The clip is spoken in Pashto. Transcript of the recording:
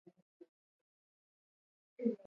اوبزین معدنونه د افغانستان د ټولنې لپاره بنسټيز رول لري.